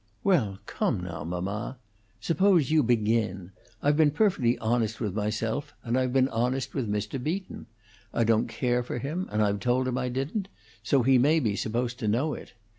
"Well, come now, mamma! Suppose you begin. I've been perfectly honest with myself, and I've been honest with Mr. Beaton. I don't care for him, and I've told him I didn't; so he may be supposed to know it.